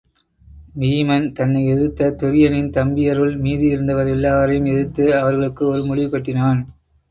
வீமன் தன்னை எதிர்த்த துரியனின் தம்பியருள் மீதி இருந்தவர் எல்லாரையும் எதிர்த்து அவர் களுக்கு ஒரு முடிவு கட்டினான்.